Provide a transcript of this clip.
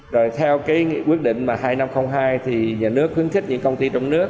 rồi theo cái quyết định mà hai nghìn năm trăm linh hai thì nhà nước khuyến khích những công ty trong nước